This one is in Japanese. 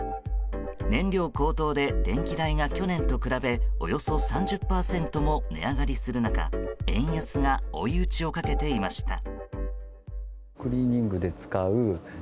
燃料高騰で電気代が去年と比べおよそ３０％も値上がりする中円安が追い打ちをかけていました。